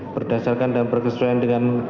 berdasarkan dan berkesuai dengan